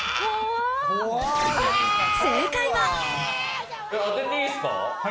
正解は。